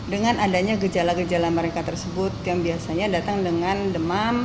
dengan adanya gejala gejala mereka tersebut yang biasanya datang dengan demam